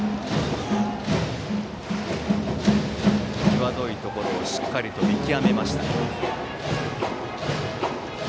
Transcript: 際どいところをしっかりと見極めました。